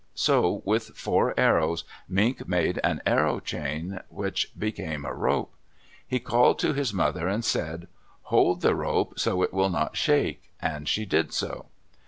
So with four arrows Mink made an arrow chain which became a rope. He called to his mother and said, "Hold the rope so it will not shake," and she did so.